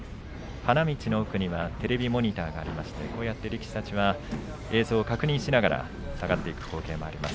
花道の奥にはテレビモニターがありまして、こうやって力士たちは映像を確認しながら下がっていく光景もあります。